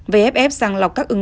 vff sang lọc các ứng dụng